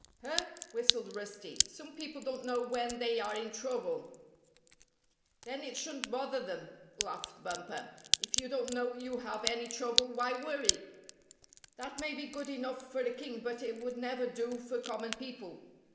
" Huh I " whistled Rusty. " Some people don't know when they are in trouble." "Then it shouldn't bother them," laughed Bumper. "If you don't know you have any trouble, why worry?" " That may be good enough for a king, but it would never do for common people.